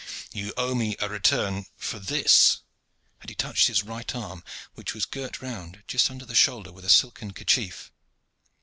you owe me a return for this," and he touched his right arm, which was girt round just under the shoulder with a silken kerchief.